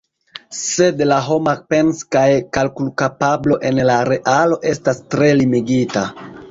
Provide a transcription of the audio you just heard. Sed la homa pens- kaj kalkulkapablo en la realo estas tre limigita.